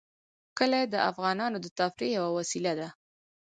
کلي د افغانانو د تفریح یوه وسیله ده.